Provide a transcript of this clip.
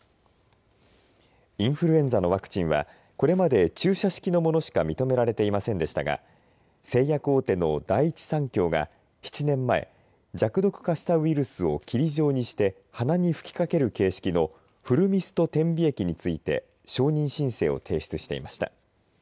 インフルエンザのワクチンはこれまで注射式のものしか認められていませんでしたが製薬大手の第一三共が７年前弱毒化したウイルスを霧状にして鼻に吹きかける形式のフルミスト点鼻液について承認申請を提出していました。